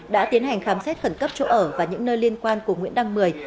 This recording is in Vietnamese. đã tiến hành khám xét khẩn cấp chỗ ở và những nơi liên quan của nguyễn đăng mười